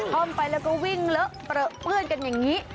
ท่อมไปแล้วก็วิ่งเลอะเปลือเปื้อนกันอย่างนี้